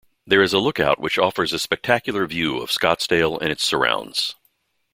There is a lookout which offers a spectacular view of Scottsdale and its surrounds.